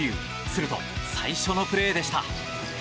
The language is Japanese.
すると、最初のプレーでした。